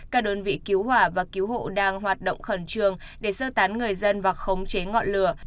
các đơn vị cứu hỏa và cứu hộ đang hoạt động khẩn trương để sơ tán người dân và khống chế ngọn lửa